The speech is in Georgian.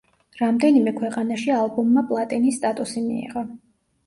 რამდენიმე ქვეყანაში ალბომმა პლატინის სტატუსი მიიღო.